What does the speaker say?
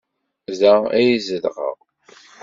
Da ay zedɣeɣ.